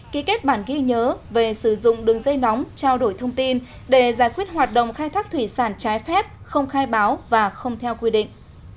ký kết bản ghi nhớ về sử dụng đường dây nóng trao đổi thông tin để giải quyết hoạt động khai thác thủy sản trái phép không khai báo và không theo quy định